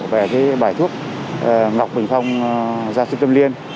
về cái bài thuốc ngọc bình phong gia sư tâm liên